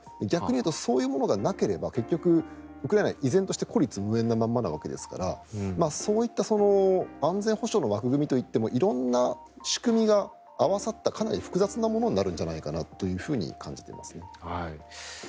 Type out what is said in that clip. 逆に言うとそういうものがなければ結局ウクライナは依然として孤立無援なままなわけですからそういった安全保障の枠組みといっても色んな仕組みが合わさったかなり複雑なものになるんじゃないかと感じています。